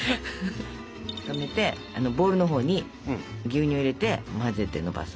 止めてボールのほうに牛乳を入れて混ぜてのばす。